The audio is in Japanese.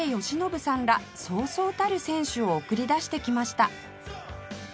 らそうそうたる選手を送り出してきました